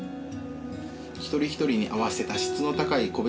「一人一人に合わせた質の高い個別指導を」